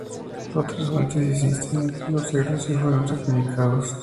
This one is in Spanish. Otras fuentes insisten en que los cerdos si fueron sacrificados.